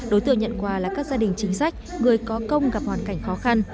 đối tượng nhận quà là các gia đình chính sách người có công gặp hoàn cảnh khó khăn